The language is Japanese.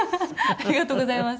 ありがとうございます。